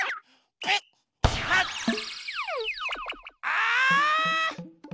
あ！